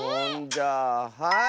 じゃあはい！